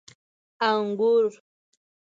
🍇 انګور